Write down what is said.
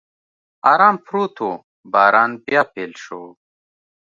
ارام پروت و، باران بیا پیل شو.